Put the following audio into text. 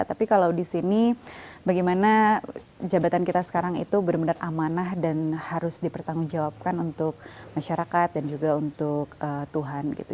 tapi kalau di sini bagaimana jabatan kita sekarang itu benar benar amanah dan harus dipertanggungjawabkan untuk masyarakat dan juga untuk tuhan gitu